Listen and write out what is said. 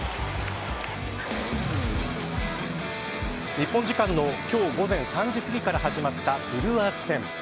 日本時間の今日午前３時すぎから始まったブルワーズ戦。